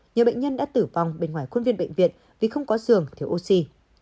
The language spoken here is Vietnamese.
nhiều bệnh nhân đã tử vong bên ngoài khuôn viên bệnh viện vì không có giường thiếu oxy